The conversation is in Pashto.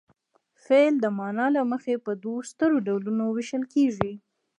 فعل د معنا له مخې په دوو سترو ډولونو ویشل کیږي.